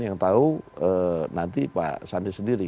yang tahu nanti pak sandi sendiri